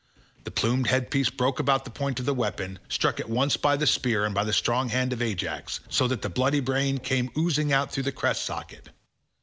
The plumed headpiece broke about the point of the weapon, struck at once by the spear and by the strong hand of Ajax, so that the bloody brain came oozing out through the crest socket.